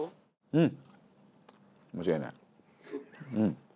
うん。